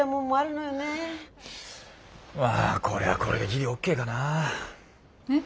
まあこれはこれでギリＯＫかな。えっ？